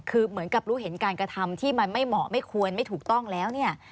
คือเหมือนกับรู้เห็นการกระทำที่มันไม่เหมาะไม่ควรไม่ถูกต้องแล้วเนี่ย